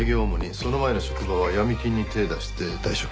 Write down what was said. その前の職場は闇金に手出して退職。